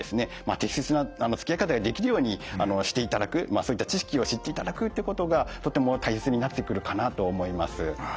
適切なつきあい方ができるようにしていただくそういった知識を知っていただくっていうことがとても大切になってくるかなと思います。